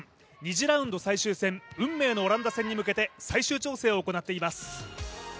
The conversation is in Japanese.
２次ラウンド最終戦、運命のオランダ戦へ最終調整を行っています。